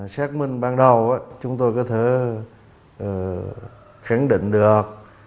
xác minh ban đầu chúng tôi có thể khẳng định được